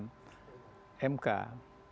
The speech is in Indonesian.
tapi kita kan nggak tahu